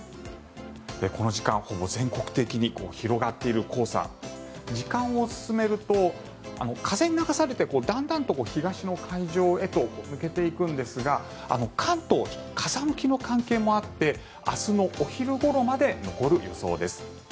この時間ほぼ全国的に広がっている黄砂時間を進めると風に流されて、だんだんと東の海上へと抜けていくんですが関東、風向きの関係もあって明日のお昼ごろまで残る予想です。